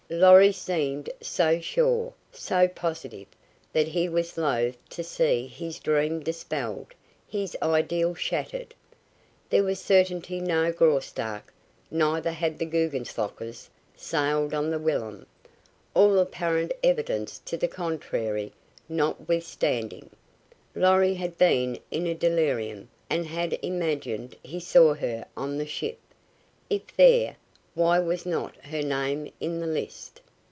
Lorry seemed so sure, so positive, that he was loath to see his dream dispelled, his ideal shattered. There was certainly no Graustark; neither had the Guggenslockers sailed on the Wilhelm, all apparent evidence to the contrary notwithstanding. Lorry had been in a delirium and had imagined he saw her on the ship. If there, why was not her name in the list?